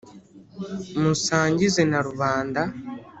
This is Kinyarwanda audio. musangize na rubanda